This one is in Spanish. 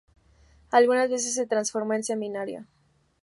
Algunas veces se transformó en semanario.